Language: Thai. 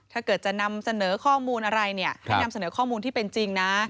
ถ้าเกิดจะนำเสนอข้อมูลอะไรเนี่ยให้นำเสนอข้อมูลที่เป็นจริงนะ